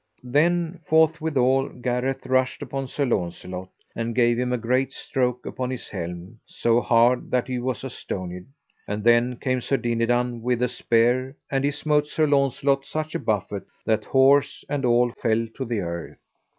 Then forthwithal Gareth rushed upon Sir Launcelot, and gave him a great stroke upon his helm so hard that he was astonied. And then came Sir Dinadan with a spear, and he smote Sir Launcelot such a buffet that horse and all fell to the earth.